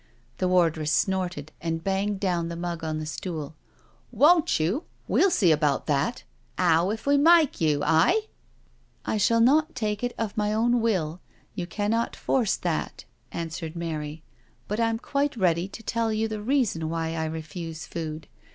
The wardress snorted and banged down the mug on the stooU " Won't you I We'll see about that. 'Ow if we make you— aye?'* " I shall not take it of my own will — you cannot force that/' answered Mary, " but I'm quite ready to tell you the reason why I refuse food.